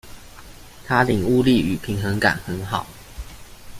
他領悟力與平衡感很好